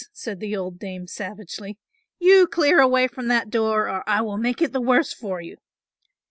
said the old dame savagely; "you clear away from that door or I will make it the worse for you."